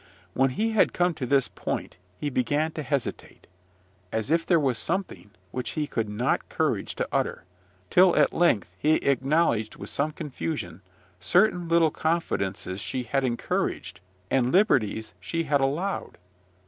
When he had come to this point, he began to hesitate, as if there was something which he had not courage to utter, till at length he acknowledged with some confusion certain little confidences she had encouraged, and liberties she had allowed.